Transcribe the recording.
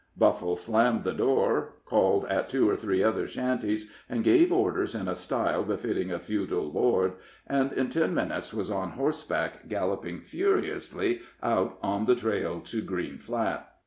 Buffle slammed the door, called at two or three other shanties, and gave orders in a style befitting a feudal lord, and in ten minutes was on horseback, galloping furiously out on the trail to Green Flat.